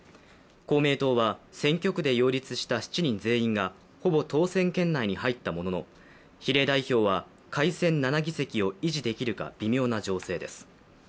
公明党は選挙区で擁立した７人全員がほぼ当選圏内に入ったものの比例代表は改選７議席を維持できるか微妙な情勢です